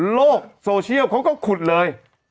โลกโซเชียลเขาก็ขุดเลย